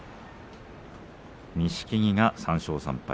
錦木、３勝３敗。